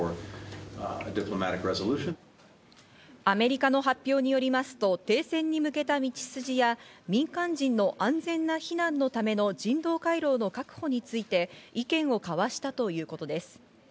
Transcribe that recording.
アメリカの発表によりますと、停戦に向けた道筋や民間人の安全な避難のための人道回廊の確保について意見を交わしたということです。